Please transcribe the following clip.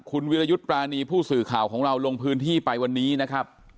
คุณวิรยุทธ์ปรานีผู้สื่อข่าวของเราลงพื้นที่ไปวันนี้นะครับ